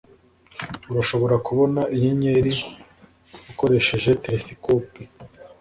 Urashobora kubona inyenyeri ukoresheje telesikope.